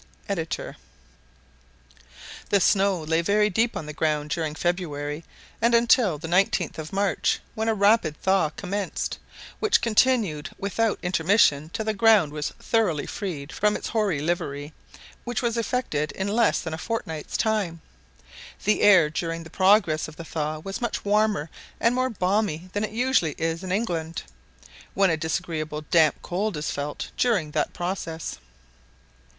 Ed.] The snow lay very deep on the ground during February, and until the l9th of March, when a rapid thaw commenced, which continued without intermission till the ground was thoroughly freed from its hoary livery, which was effected in less than a fortnight's time. The air during the progress of the thaw was much warmer and more balmy than it usually is in England, when a disagreeable damp cold is felt during that process.